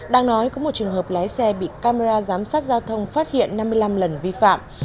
đang nói có một trường hợp lái xe bị camera giám sát giao thông phát hiện năm mươi năm lần vi phạm